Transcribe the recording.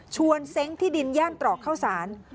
ชวนเซ้งซ์ที่ดินแย่งตรอกข้าวสาร